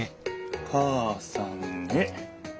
「母さんへ。